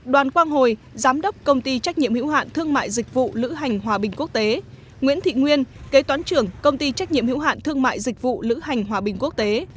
đoàn quang hồi giám đốc công ty trách nhiệm hữu hạn thương mại dịch vụ lữ hành hòa bình quốc tế nguyễn thị nguyên kế toán trưởng công ty trách nhiệm hữu hạn thương mại dịch vụ lữ hành hòa bình quốc tế